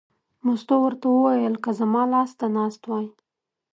مستو ورته وویل: که زما لاس ته ناست وای.